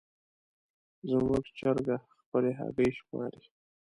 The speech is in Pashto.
زموږ چرګه خپلې هګۍ شماري.